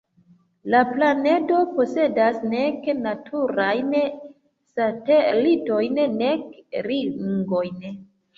La planedo posedas nek naturajn satelitojn, nek ringojn.